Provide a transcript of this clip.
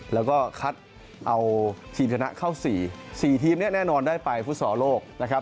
แล้วก็คัดเอาทีมชนะเข้า๔๔ทีมนี้แน่นอนได้ไปฟุตซอลโลกนะครับ